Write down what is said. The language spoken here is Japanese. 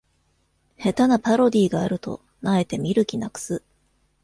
下手なパロディがあると萎えて見る気なくす